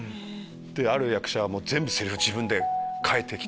ある役者は全部セリフ自分で変えてきて。